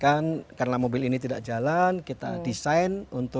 dan berapa banyak yang kamu pesan